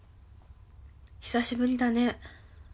久しぶりだね。